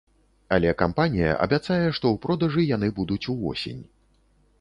Але кампанія абяцае, што ў продажы яны будуць увосень.